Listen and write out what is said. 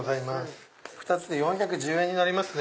２つで４１０円になりますね。